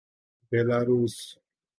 Belarus